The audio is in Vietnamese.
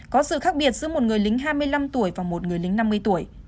có sự khác biệt giữa một người lính hai mươi năm tuổi và một người lính năm mươi tuổi